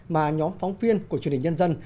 mà nhóm phóng viên của truyền hình nhân dân